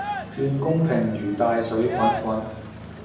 願公平如大水滾滾